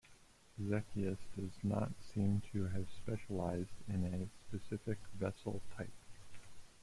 Exekias does not seem to have specialized in a specific vessel type.